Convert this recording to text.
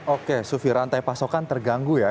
oke sufi rantai pasokan terganggu ya